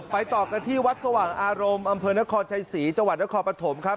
ต่อกันที่วัดสว่างอารมณ์อำเภอนครชัยศรีจังหวัดนครปฐมครับ